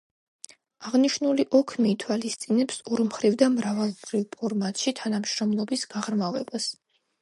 აღნიშნული ოქმი ითვალისწინებს ორმხრივ და მრავალმხრივ ფორმატში თანამშრომლობის გაღრმავებას.